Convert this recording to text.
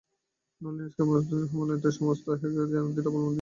নলিনাক্ষের উপস্থিতিমাত্রই হেমনলিনীর সমস্ত আহ্নিকক্রিয়াকে যেন দৃঢ় অবলম্বন দিত।